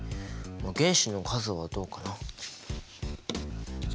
原子の数はどうかな？